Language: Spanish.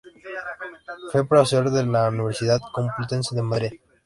Fue profesor en la Universidad Complutense de Madrid.